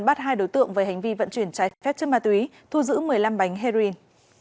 bắt hai đối tượng về hành vi vận chuyển trái phép chất ma túy thu giữ một mươi năm bánh heroin